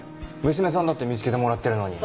娘さんだって見つけてもらってるのに。